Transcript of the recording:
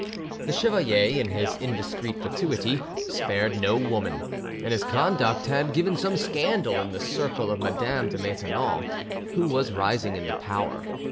The chevalier, in his indiscreet fatuity, spared no woman; and his conduct had given some scandal in the circle of Madame de Maintenon, who was rising into power.